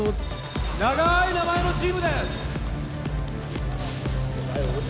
長い名前のチームです